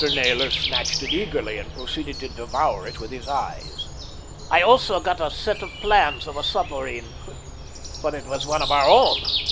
Naylor snatched it eagerly and proceeded to devour it with his eyes. "I also got a set of plans of a submarine; but it was one of our own.